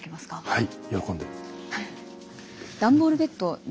はい。